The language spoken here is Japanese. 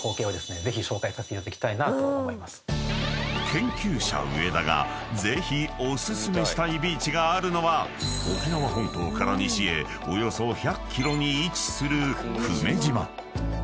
［研究者上田がぜひお薦めしたいビーチがあるのは沖縄本島から西へおよそ１００ｋｍに位置する］